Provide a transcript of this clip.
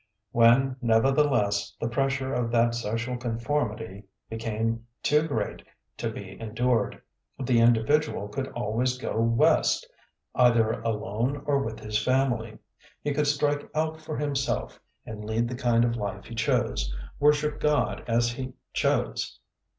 When, nevertheless, the pressure of that social conformity be came too great to be endured, the in dividual could always go west, either alone or with his family. He could strike out for himself, and lead the kind of life he chose, worship God as he chose.